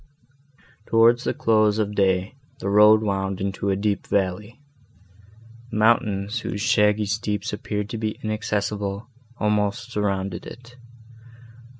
Towards the close of day, the road wound into a deep valley. Mountains, whose shaggy steeps appeared to be inaccessible, almost surrounded it.